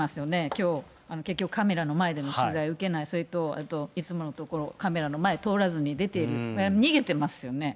きょう、結局、カメラの前での取材を受けない、あといつもの所、カメラの前通らずに出ている、逃げてますよね。